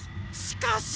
しかし。